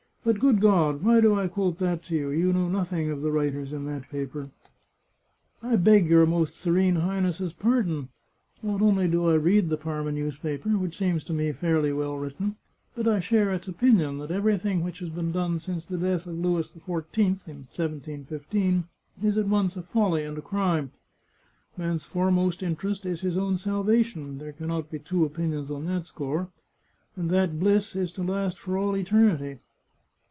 But, good God! why do I quote that to you ? You know nothing of the writers in that paper !"" I beg your Most Serene Highness's pardon. Not only do I read the Parma newspaper, which seems to me fairly well written, but I share its opinion, that everything which has been done since the death of Louis XIV in 1715, is at once a folly and a crime. Man's foremost interest is his own salvation — there can not be two opinions on that score — and that bliss is to last for all eternity.